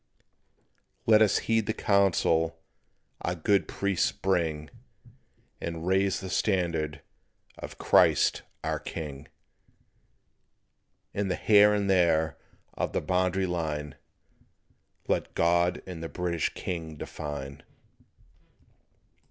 "Let us heed the counsel our good priests bring, And raise the standard of Christ our King, And the here or there of the Boundary Line Let God and the British king define."